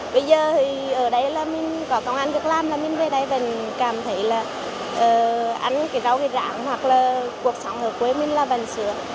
bây giờ thì ở đây là mình có công an việc làm là mình về đây vẫn cảm thấy là ăn cái rau về ráng hoặc là cuộc sống ở quê mình là vẫn xượt